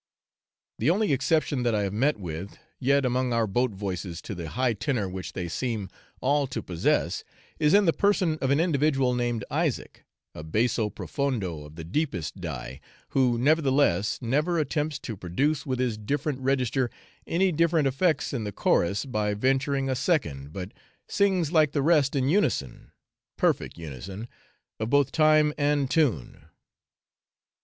The only exception that I have met with, yet among our boat voices to the high tenor which they seem all to possess is in the person of an individual named Isaac, a basso profondo of the deepest dye, who nevertheless never attempts to produce with his different register any different effects in the chorus by venturing a second, but sings like the rest in unison, perfect unison, of both time and tune.